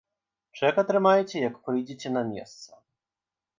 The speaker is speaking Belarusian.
Чэк атрымаеце, як прыйдзеце на месца.